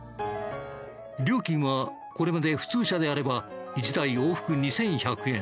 料金はこれまで普通車であれば１台往復２１００円。